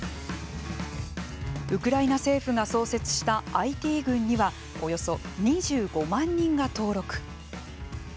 ウクライナ政府が創設したＩＴ軍にはおよそ２５万人が登録。